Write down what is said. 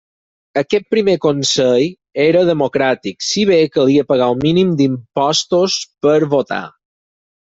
Aquest primer consell era democràtic, si bé calia pagar un mínim d'impostos per votar.